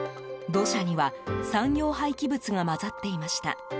土砂には産業廃棄物が混ざっていました。